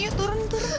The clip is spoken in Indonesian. yuk turun turun